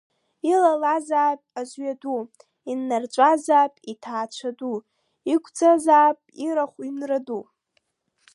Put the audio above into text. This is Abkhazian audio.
Илалазаап азҩа ду, иннарҵәазаап иҭаацәа ду, иқәӡаазаап ирахә, иҩнра ду!